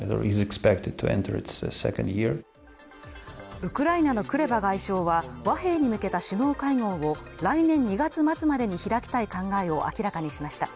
ウクライナのクレバ外相は和平に向けた首脳会合を来年２月末までに開きたい考えを明らかにしました